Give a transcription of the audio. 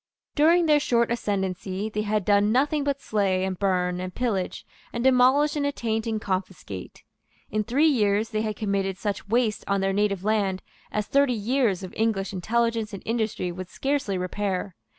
During their short ascendency they had done nothing but slay, and burn, and pillage, and demolish, and attaint, and confiscate. In three years they had committed such waste on their native land as thirty years of English intelligence and industry would scarcely repair.